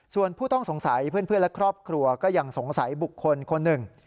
ส่วนผู้ต้องสงสัยเพื่อนและครอบครัวก็ยังสงสัยบุคคลคนหนึ่ง